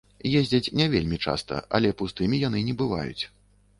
Ездзяць не вельмі часта, але пустымі і яны не бываюць.